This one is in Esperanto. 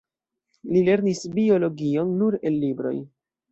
Li lernis biologion nur el libroj.